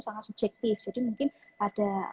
sangat subjektif jadi mungkin ada